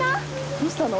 どうしたの？